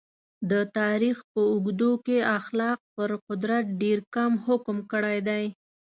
د تاریخ په اوږدو کې اخلاق پر قدرت ډېر کم حکم کړی دی.